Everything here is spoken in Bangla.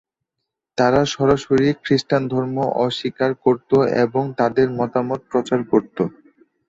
তারা সরাসরি খ্রিস্টান ধর্ম অস্বীকার করত এবং তাদের মতামত প্রচার করত।